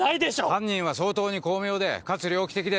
犯人は相当に巧妙でかつ猟奇的です。